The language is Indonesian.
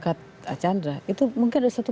pak arkanra itu mungkin ada satu